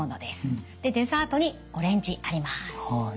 でデザートにオレンジあります。